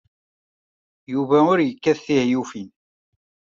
Yuba ur yekkat tihyufin.